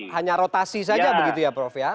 hanya rotasi saja begitu ya prof ya